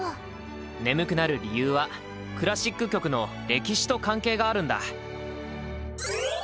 眠くなる理由はクラシック曲の歴史と関係があるんだ。